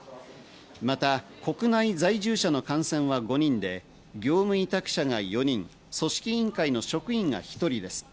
また国内在住者の感染は５人で業務委託者が４人、組織委員会の職員が１人です。